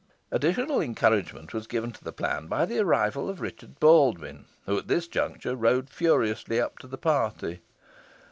Additional encouragement was given to the plan by the arrival of Richard Baldwyn, who, at this juncture, rode furiously up to the party.